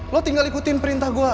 lo tinggal ikutin perintah gue